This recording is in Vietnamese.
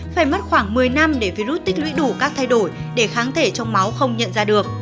phải mất khoảng một mươi năm để virus tích lũy đủ các thay đổi để kháng thể trong máu không nhận ra được